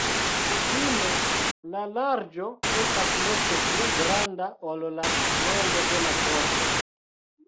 Kutime la larĝo estas multe pli granda ol la longo de la pordo.